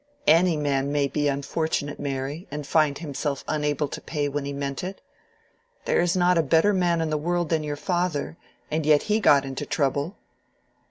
"Any man may be unfortunate, Mary, and find himself unable to pay when he meant it. There is not a better man in the world than your father, and yet he got into trouble."